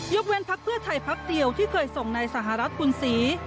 เว้นพักเพื่อไทยพักเดียวที่เคยส่งในสหรัฐบุญศรี